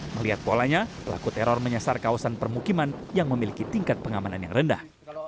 melihat polanya pelaku teror menyasar kawasan permukiman yang memiliki tingkat pengamanan yang rendah